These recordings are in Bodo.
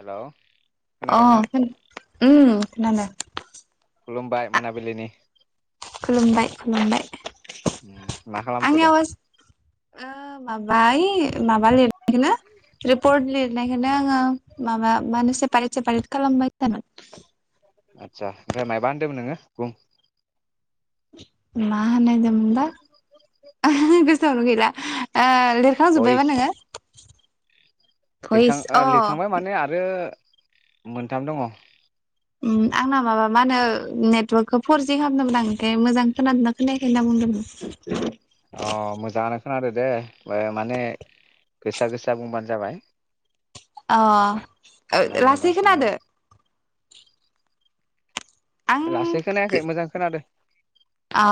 हेल अ खो ओम। खोनादो । खुलुमबाय मोनाबिलिनि। खुलुमबाय खुलुमबाय । ओम मा खालामसोदों? ओ माबा ऐ माबा लिरनायखोनो रिपर्ट लिरनायखोनो आङो माबा मा नो सेपारेट सेपारेट खालामबाय थादों । आदसा ओमफ्राय मायबा होनदोंमोन नोङो, बुं? मा होननायदोमोनबा? गोसोयावनो गैला। ओ लिरखांजोब्बायबा भइस नोङो? लिरखां भइस ओ अ लिरखांबाय माने आरो मोनथाम दङ । उम आंना माबा मा होनो नेटवर्कखौ फर जि खालामदोंमोन आं ओमफाय मोजां खोनादोंना खोनायाखै होनना बुंदोंमोन । अ मोजाङानो खोनादो । दे ओ माने गोसा गोसा बुंबानो जाबाय । अ ओ लासै मोजां खोनायो खोनादो? आं लासै खोनायाखै मोजां खोनादो । अ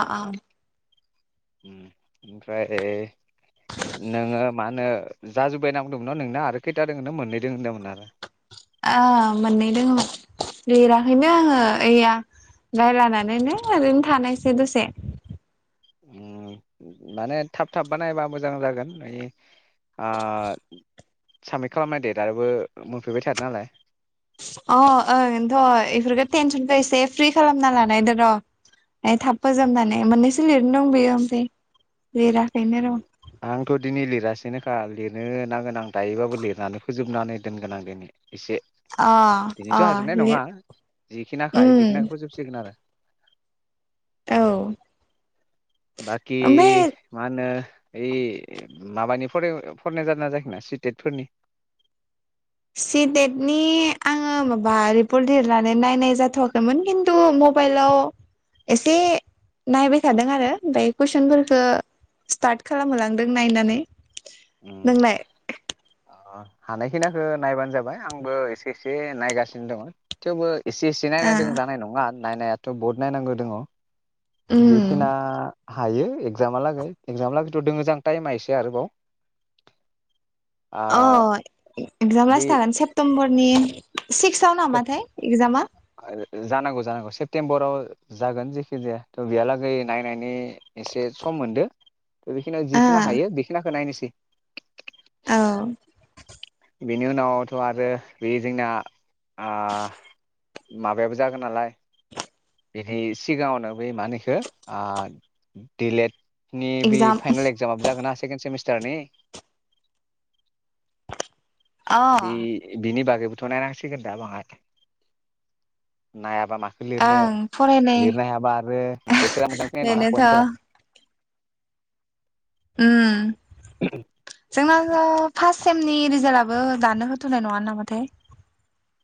उम ओमफ्राय नोङो मा होनो जाजोब्बाय होन्ना बुंदोंमोन न नोंना आरो खैथा दङो मोननै दोङो होनदोंमोन । ओ मोननै दोङो। लिराखैनो आङो ओइ या रायलानानैनो ओरैनो थानायसै दसे । उम माने थाब थाब बानायबा मोजां जागोन ओइ आ साबमिट खालामनाय देटआबो मोनफैबाय थादो नालाय । अ ओनथ इफोरखौ टेनसनखौ एसे फ्रि खालामना लानायदो र ए थाब फोजोबनानै मोननैसो लिरनो दंबोयो ओमफाय आंथ दिनि लिरासि जेनखा लिरनो नांगोन आं दायोबाबो लिरनानै फोजोबनानै दोनगोन आं दिनै। इसे अ अ दिनैथ हाजोबनाय लिर नंङा जिखिनिखायो बेखिनिखो उम फोजोबसिगोन आरो औ बाखि ओमफ्राय मा होनो। ओइ माबानि फराय फरायनाय जादोंना जायाखै नोंया सि टेट फोरनि। सि टेटनि आङो माबा रिपर्ट लिरनानै नायनाय जाथवाखैमोन खिन्थु मबाइलाव एसे नायबाय थादों आरो ओमफ्राय कुइसन फोरखौ स्टार्ट खालामहोलांदों नायनानै। उम नोंलाय आ हानाय खिनिखौ नायबानो जाबाय आंबो एसे एसे नायगासिनो दंङ थेवबो इसे इसे ओ नायनायदों जानाय नंङा। नायनायाथ बहुद नायनांगौ दंङ। उम जिखिना हायो एकजामा लागै एकजाम लागैथ दङ जां टाइमा इसे आरोबाव। आ अ एकजाम लासै बे थागोन सेप्तम्बर नि सिक्सआव नामाथाय एकजामा? जानांगौ जानांगौ सेप्तेम्बराव जागोन जेखि जायाथ बेहालागै नायनायनि एसे सम मोनदो। बेखिनियाव ओ जिखिना हायो बेखिनियाखौ नायनोसै। औ। बिनि उनावथ आरो बे जोंना ओ माबायाबो जागोन नालाय बिनि सिगाङावनो बै मा होनो इखौ ओ दिलेट नि बे एगजाम फाइनेल एक्जामाबो जागोना सेकण सेमिस्ट जानि अ बे बिनि बागै बुथनाय नांसिगोन दा बांङाय नायाबा मा लिरनो ओं लिरनो फरायनायानोथ' हायाबा आरो गेटफोरा मोजां फैनाय नंङा ना पईन्टफोरा उम जोंना ओ फास सेमनि रिजाल्टआबो दानो होथनाय नंङा नामाथाय?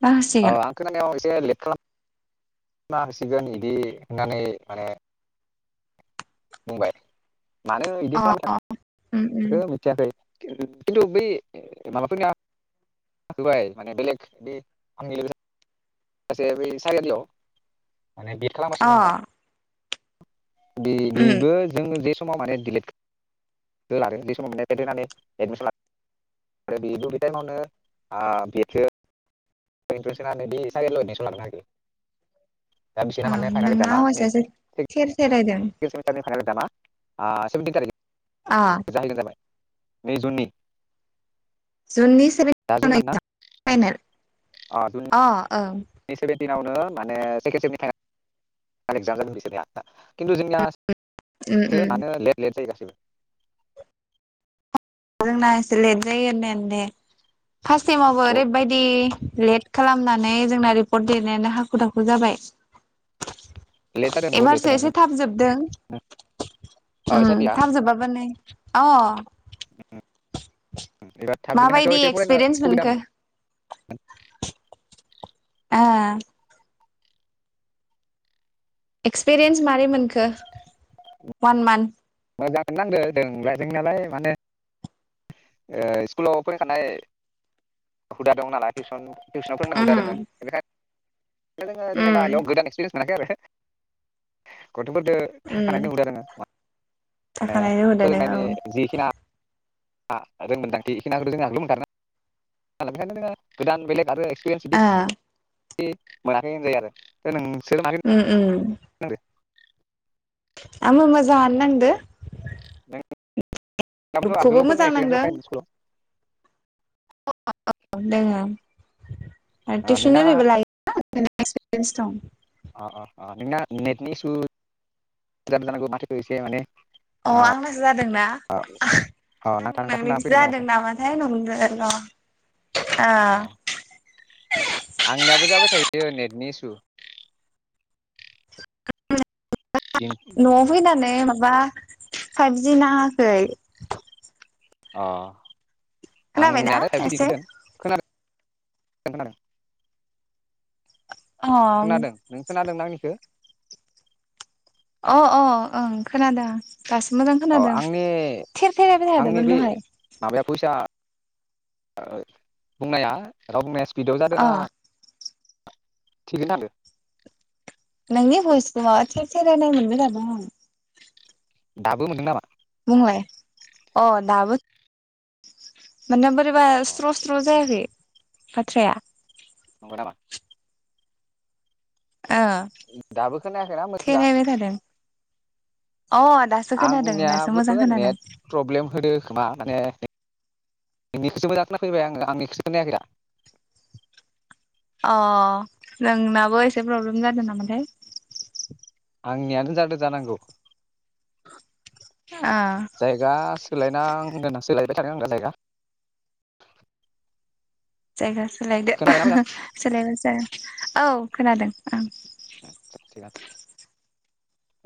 ना ओ होसिगोन आं खोनानायाव एस एसे लेट खालाम ना‌ होसिगोन इदि होननानै माने बुंबाय। मानो इदि अ उम उम खालामबाय थाखो‌ मिथियाखै। खिन्थु बै माबाफोरनिया [unintelligible] माने दि अ खालामगासिनो दंङ। बे उम बेबो जोंनो जे समाव माने डिलेट लादो बे समाव‌ [unintelligible] माने एडमिसन लादो [unintelligible] [unintelligible] दा बिसोरना अ माने फाइनाल नोंना एगजामा [unintelligible] आवाजासो थेर थेरायदों ओ सेभेनटि अ थारिखै जाहैगोन जाबाय। मै जुननि जुननि सेभेन दा जुन [unintelligible] मानना फाइनेल अ ओं सेभेेनटिननावनो माने सेकेनट सेमिसटारनि एजाम जागोन बिसोरनिया। खिन्थु उम जोंनियासो उम मानो लेट लेट जायो गासिबो। जोंना एसे लेट जायो होननायानो दे। फास्ट सेमावबो ओरैबायदि लेट खालामनानै जोंना रिपर्ट लिरनायानो हाखु दाखु जाबाय। लेट जादों बहुत लेट एबारसो जादों एसे थाबजोबदों उम एस आइ पि आ थाबजोबाबो नै अ एबार माबायदि थाबजोबनाखायनोथ एसे फरायनो एक्सपिरियेन्स खुबिदा मोनखो मोनदों। ओ एक्सपिरियेन्स मारै मोनखो वान मान्थ मोजांखोनो नांदों जोंलाय जोंनालाय माने ओ स्कुलाव फोरोखानाय हुदा दं नालाय टिउसन टिउसनाव फोरोंनाय उम हुदा दंङो ओनोखाय ओनोखाय जोङो जेनेबा उम इयाव गोदान एक्सपेरियेन्स मोनाखै आरो । गथफोरदो थाखानायनि उम हुदा दोङो । माने थाखानायनो होदोदों औ फोरोंनायनि जिखिना रोंमोन्दांथि बेखिनि आगोलाव नो मोनदो ना खायनो जोङो गोदान बेलेग आरो एक्स ओ । मोनाखै होनजायो आरो ओ नों उम उम । आ मोजाङानो नांदो । नों आगोलाव मोजां फोरोंनाय एक्सपेरियेन्स नांदो दंखायोमोन स्कुलाव? [unintelligible] दोङो । टिउसन नोंना ओरिबो लायो । ना ओंखायनो एक्पिरियन्स दं । अ अ अ नोंना नेटनि इसु जानांगौ माथोखो इसे माने अ आंनासो जादोंना अ अ आं नांथा नांथा खोना नोंनिखो फैदों ना जादों माथो नामाथाय नंदों र अ ऐयो नेटनि ईसु । दिन नआव फैनानै माब बा फाइबजि नाङाखै। अ। खोनाबायना आंनियाालाय फाइबजि एसे दिनथिदों खोनादो? ओं खोननादों। अ खोनादों नों खोनादों ना? आंनिख खो। अ अ ओं खोनादों। दासो मोजां अ खोनादों आंनि थेर थेरेबाय थादोंमोन दहाय। ओ बुंनाया रावबुंनाया सि बिदियाव जादों अ ना थिगैनो थांदो। नोंनि भयसफोरआ थेर थेराइनाय मोनदों आरो ना आं। दाबो मोनदों नामा? बुंलाय अ दाबो मोन्नोबोथ अ रिबास स्र स्र जायाखै। बाथ्राया। नंग नामा ओ दाबो खोनायाखैना मोजां थेरायबाय थादों अ दासो खोनादों दासो मोजां आंनियाबो खोनादों नेट प्रब्लेम होदो खोमा माने नोंनिखोसो मोजां खोनाफैबाय आंङो आंनिखोसो खोनायाखैदा । अ नोंनाबो एसे प्रब्लेम जादों नामाथाय आंनियानो जादो जानांगौ। ओ जायगा सोलायनां गोनां सोलाय बे थादों आंना जायगा जायगा। सोलायदो खोनाबायना मोजां ओहो सोलायबायसो जागोन औ खोनादों। ओं उम थिगान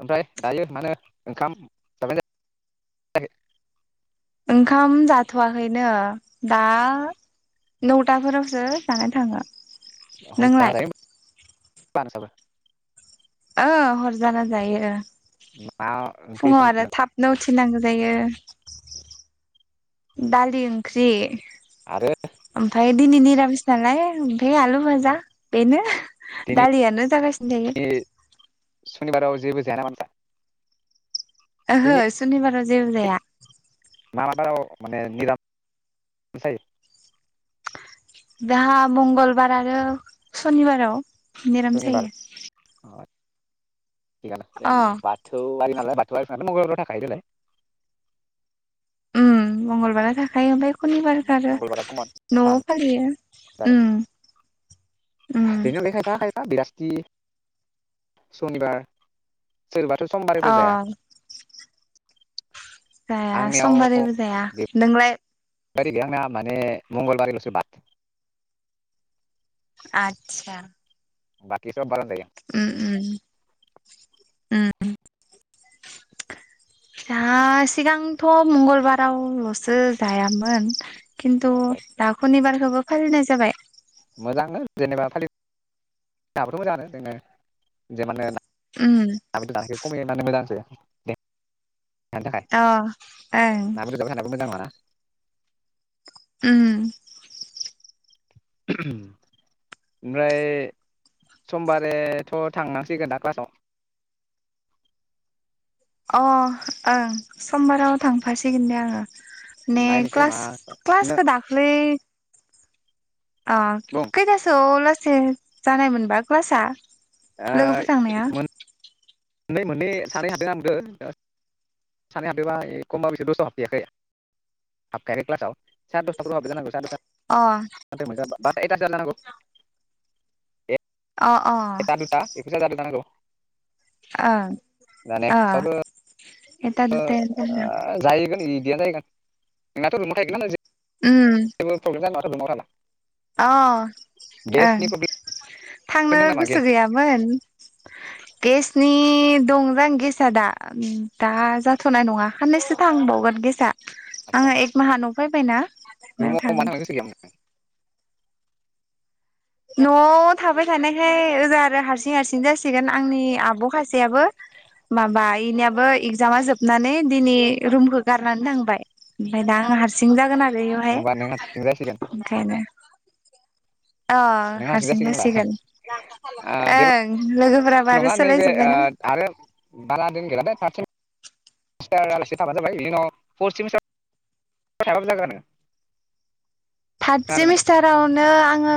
ओमफ्राय दायो माानो ओंखाम जाबायन जायाखै? ओंखाम जाथ'वाखैनो दा नौथाफोरावसो जानानै थाङो। ह नोंलाय जाराइ [unintelligible] ओ हर जाना जायो मा ओंख्रि फुङाव आरो संदों थाबनो उथिनांगौ जायो दालि ओंख्रि। आरो ओमफाय दिनै निरामिस नालाय ओमफ्राय आलु भाजा बेनो दिनै दालियानो जागासिनो थायो सुनिबाराव जेबो जाया नामा नोंस्रा? ओहो दिनै सुनिबाराव जेबो जाया मा मा बाराव माने जाहा मंगलबार आरो सनिबाराव निरामिस जायो थिखांनो अ जोंनि बाथौआरि आंलाय बाथौआरि देलाय ओम मंगलबारा थाखायो ओमफाय हुनिबारखो आरो मंगलबारा कमन न'वाव सान फालियो जाबाय उम जोंना उम दी सनिबार सोरबाथ समबारैबो जाया जा आंनियाव समबारैबो जाया नोंलाय गारि गैया आंना माने मंगलबारै लसो बाद आच्छा बाकि उम उम उम खिथा सिगांथ मंगलबाराव लसो जायामोन किन्तु ओमफ्राय दा खनिबार थेवबो फालिनाय जाबाय मोजांनो जेनेबा फालि [unintelligible] नो हाबाथ मोजाङानो जोङो जेमाननो उम [unintelligible] दे अ ओं बेदर जाबाय थानाबो मोजां नङाना उम [inaudible] ओमफ्राय समबारैथ थांनांसिगोन दां क्लासाव अ ओं समबाराव थांफासिगोन दे आङो ने नायनोसै मा क्लास नों क्लासखो दाखलै अ बुं खैतासोआव लासत से जानायमोनबा क्लासआ लोगोफोर थांनाया नै मोननै सानै हाबदों आं नुदों सानै हाबदोबबा खमबा बो बिसोर दसायाव हाबफैयाखै हाबखायाखै क्लासाव सारि दसथाफोराव हाबदो जानांगौ अ सारिदसता [unintelligible] बात एतास जानांगौ अ अ ए टा दुटा बेफोर जादो नांगौ । ओं दा ओ नेक्स्टआवबो एटा दुटा जागोन इदियानो जाहैगोन नोंनाथ [unintelligible] उम जेबो प्रबलेम जानाय नङा [unintelligible] अ ओं प्रब्लेम थांनो दं नामा गोसो गेस गैयामोन गेसनि दंजां गेसा दा दा जाथनाय नङा खानैसो थांबावगोन गेसाआ आदसा आङो एक माहा नयाव फैबायनाा नो रुमाव मानो थागोन थांनो गोसो गैयामोन नआव थाबाय थानायखाय ओजा आरो हारसिं हारसिं जासिगोन आंनि आब ससेयाबो माबा इनियाबो इगजामा जोबनानै दिनै रुमखौ गारनानै थांबाय ओमफफ्राय दा आं हारसिं जागोन आरो होमबा नों हारसिं जासिगोन [unintelligible] ओखायनो। अ हारसिं जासिगोन ओ जेबो ओं लोगो नङा नैबे ओ आरो [unintelligible] [unintelligible] [unintelligible] फरसिमिसथार थाखाबो जागानो [unintelligible] थार्द सेमिस्टारावनो आङो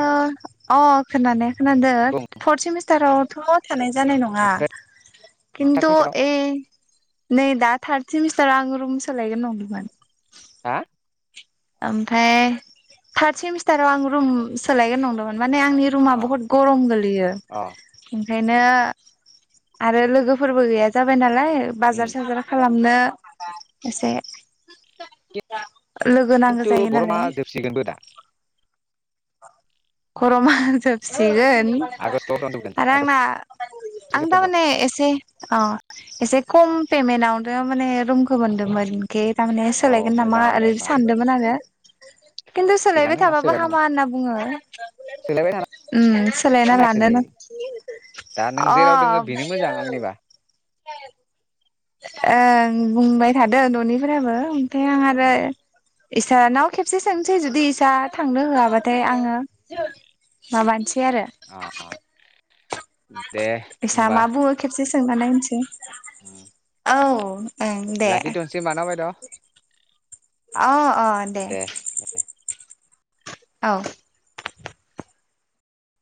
अ खोनानो खोनदो बुं फर्थ सेमिस्टाराव थ थानाय जानाय नङा ओमफ्राय थार्द खिन्थु सेमिस्टाराव ए नैदा थार्द सेमिस्टार आं रुम सालायगोन नंदोंमोन हा ओमफ्राय थार्द सेमिस्टाराव आं रुम सोलायगोन नंदोंमोन म माने आंनि रुमा अ बुहुत गरम गोलैयो अ । ओंखायनो आरो लोगोफोरबो गैया जाबाय ना। नालाय उम बाजार साजार खालामनो एसे लो खिन्थु गरमा जोबसिगोनबो दा। गरमा जोबसिगोन आगष्टफ्रावनो जोबगोन आरो आंना आगष्ट आं सेप्तेम्बर दारमाने एसे औ एसे खम पेमेन्टावनो माने रुमखौ मोन्दोंमोन ए थारमाने अ सोलायगोन नामा मोजाङानो दे ओरैबो होमबा सानदोंमोन आरो। खिन्थु सोलायबाय थिगानो ना थाबाबो सोलायनाङा हामा होनना बुङो। सोलायबाय उम सोलायना थाना एक्सुलि लानोनो दा नों जेराव दोङो बेनो मोजां आंनिबा। हेल्द। ओं बुंबाय थादों ननिफोराबो। आया हारे। उम इसानाव खेबसे सोंसै जुदि इसा थांनो होआबाथाय आङो माबानोसै। अ अ। [inaudible] बिसा मा बुङो खेबसे सो ‌ सोंना नायनोसै। ओ। औ। दे लाखि थन्सै होनबा ना बायद। अ अ दे। औ।